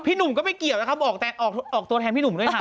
พี่หนุ่มก็ไม่เกี่ยวกันครับออกตัวแทนพี่หนุ่มกันด้วยครับ